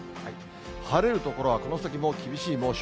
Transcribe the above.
晴れる所はこの先も厳しい猛暑。